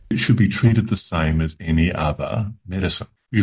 ini harus diperlakukan sama seperti obat lain